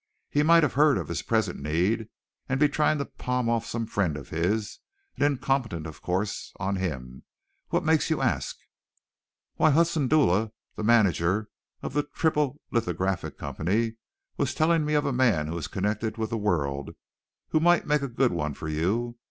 He might have heard of his present need and be trying to palm off some friend of his, an incompetent, of course, on him. "What makes you ask?" "Why, Hudson Dula, the manager of the Triple Lithographic Company, was telling me of a man who is connected with the World who might make a good one for you.